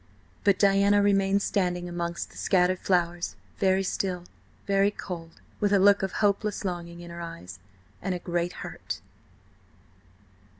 But Diana remained standing among the scattered flowers, very still, very cold, with a look of hopeless longing in her eyes and a great hurt.